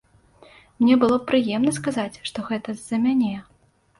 Мне было б прыемна сказаць, што гэта з-за мяне.